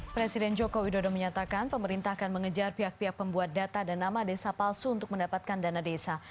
presiden joko widodo menyatakan pemerintah akan mengejar pihak pihak pembuat data dan nama desa palsu untuk mendapatkan dana desa